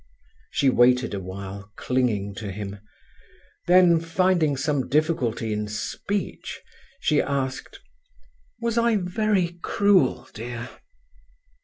She waited a while, clinging to him, then, finding some difficulty in speech, she asked: "Was I very cruel, dear?"